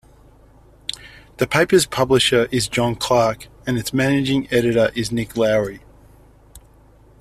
The paper's publisher is John Clark, and its managing editor is Nick Lowrey.